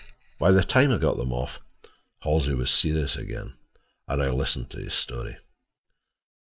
By the time I got them off Halsey was serious again, and I listened to his story.